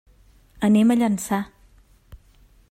Anem a Llançà.